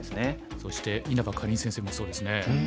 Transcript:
そして稲葉かりん先生もそうですね。